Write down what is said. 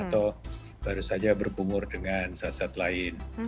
atau baru saja berkumur dengan zat zat lain